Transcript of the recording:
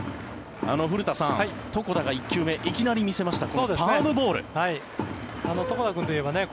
古田さん、床田が１球目いきなり見せました。